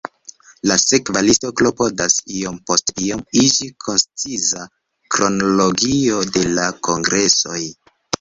La sekva listo klopodas iom post iom iĝi konciza kronologio de la kongresoj.